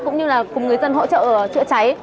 cũng như là cùng người dân hỗ trợ chữa cháy